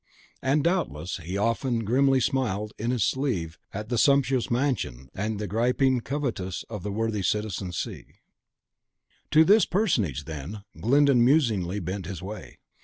And, doubtless, he often grimly smiled in his sleeve at the sumptuous mansion and the griping covetousness of the worthy Citizen C . To this personage, then, Glyndon musingly bent his way.